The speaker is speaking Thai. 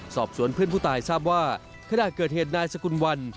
สอบสวนเพื่อนผู้ตายทราบว่าขณะเกิดเหตุนายสกุลวัน